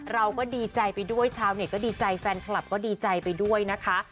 เราก็ดีใจไปด้วยชาวเน็ตก็ดีใจแฟนคลับก็ดีใจไปด้วยนะคะ